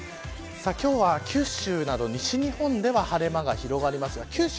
今日は九州など西日本では晴れ間が広がりますが九州